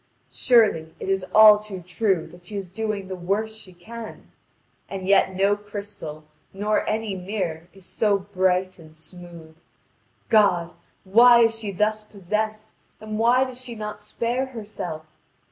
Surely, it is all too true that she is doing the worst she can. And yet no crystal nor any mirror is so bright and smooth. God! why is she thus possessed, and why does she not spare herself?